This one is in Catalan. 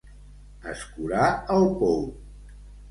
Escurar el pou.